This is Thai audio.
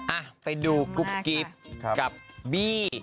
อ่ะไปดูกุ๊บกิ๊บกับบี้